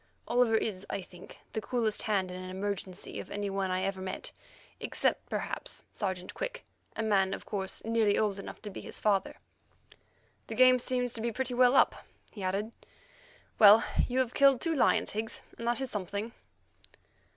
Oliver is, I think, the coolest hand in an emergency of any one I ever met, except, perhaps, Sergeant Quick, a man, of course, nearly old enough to be his father. "The game seems to be pretty well up," he added. "Well, you have killed two lions, Higgs, and that is something."